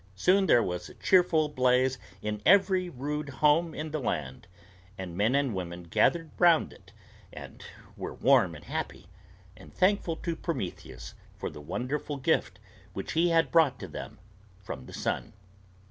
Soon there was a cheerful blaze in every rude home in the land, and men and women gathered round it and were warm and happy, and thankful to Prometheus for the wonderful gift which he had brought to them from the sun.